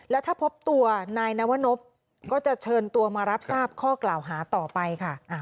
แล้วถ้าพบตัวนายนวนพก็จะเชิญตัวมารับทราบข้อกล่าวหาต่อไปค่ะ